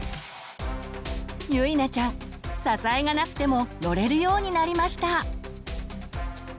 ゆいなちゃん支えがなくても乗れるようになりました。